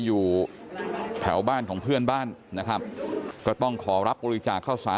หนูยังทำยังไงได้